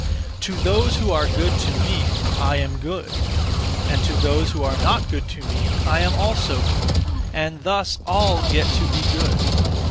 To those who are good (to me), I am good; and to those who are not good (to me), I am also good; and thus (all) get to be good.